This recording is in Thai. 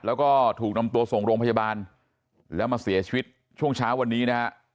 แล้วก็ถูกนำตัวส่งโรงพยาบาลแล้วมาเสียชีวิตช่วงเช้าวันนี้นะฮะ